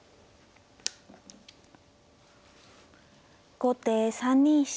後手３二飛車。